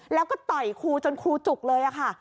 แล้วก็ต่อยครูจนครูจุกเลยค่ะ